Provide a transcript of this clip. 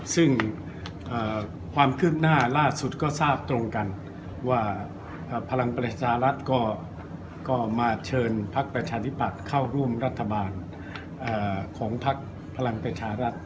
ซึ่งความคืบหน้าล่าสุดก็ทราบตรงกันว่าพลังประชารัฐก็มาเชิญพักประชาธิปัตย์เข้าร่วมรัฐบาลของพักพลังประชารัฐ